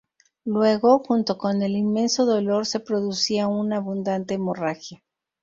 Luego, junto con el inmenso dolor, se producía una abundante hemorragia.